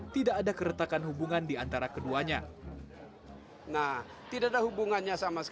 tidak ada keretakan hubungan di antara keduanya